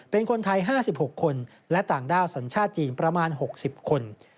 เป็นคนไทย๕๖คนและต่างด้าวสัญชาติจีนประมาณ๖๐คน